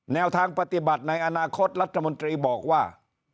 แนวทางปฏิบัติในอนาคตรัฐมนตรีบอกว่า